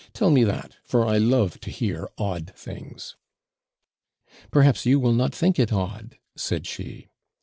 Tell me that, for I love to hear odd things.' 'Perhaps you will not think it odd,' said she.